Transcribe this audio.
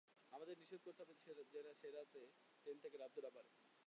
আমাদের নিশ্চিত করতে হবে সে যাতে ট্রেন থেকে নামতে না পারে।